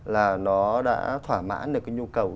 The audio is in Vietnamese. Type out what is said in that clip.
là nó đã thỏa mãn được cái nhu cầu